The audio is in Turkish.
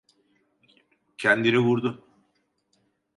Kendini vurdu.